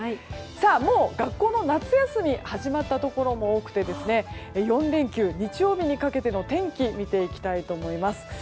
もう学校も夏休みが始まったところも多くてですね、４連休日曜日にかけての天気を見ていきたいと思います。